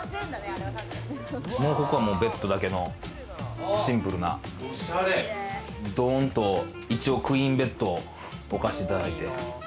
ここはベッドだけのシンプルなどんと、一応クイーンベッドをおかしていただいて。